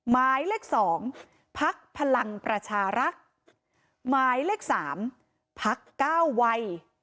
ไม้เล็ก๒พักพลังประชารักษ์ไม้เล็ก๓พักก้าววัย